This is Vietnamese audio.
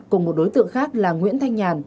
cùng một đối tượng khác là nguyễn thanh nhàn